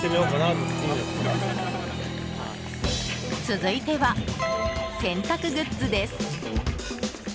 続いては洗濯グッズです。